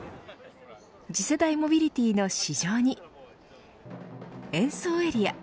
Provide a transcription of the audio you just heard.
次世代モビリティの市場に演奏エリア。